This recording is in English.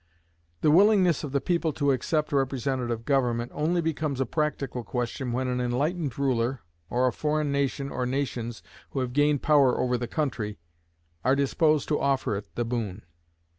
The willingness of the people to accept representative government only becomes a practical question when an enlightened ruler, or a foreign nation or nations who have gained power over the country, are disposed to offer it the boon.